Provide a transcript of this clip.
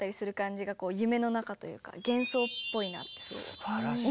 すばらしいね。